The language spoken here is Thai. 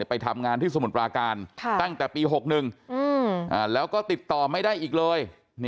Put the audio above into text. ไปทำงานที่สมุทรปราการตั้งแต่ปี๖๑แล้วก็ติดต่อไม่ได้อีกเลย